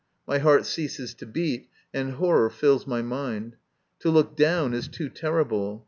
My heart ceases to beat, and horror fills my mind. To look down is too terrible.